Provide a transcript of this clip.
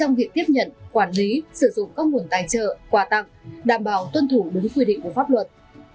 trong việc tiếp nhận quản lý sử dụng các nguồn tài trợ quà tặng đảm bảo tuân thủ đúng quy định của pháp luật